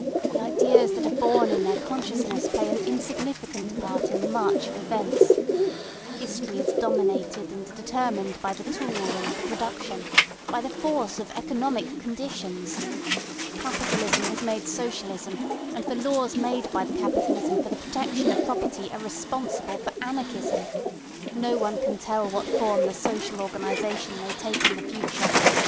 The ideas that are born in their consciousness play an insignificant part in the march of events. History is dominated and determined by the tool and the production—by the force of economic conditions. Capitalism has made socialism, and the laws made by the capitalism for the protection of property are responsible for anarchism. No one can tell what form the social organisation may take in the future.